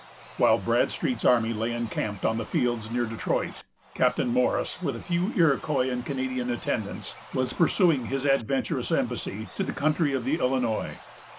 While Bradstreet's army lay encamped on the fields near Detroit, Captain Morris, with a few Iroquois and Canadian attendants, was pursuing his adventurous embassy to the country of the Illinois.